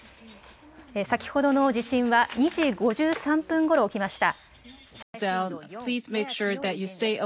先ほどの地震は２時５３分ごろ起きました。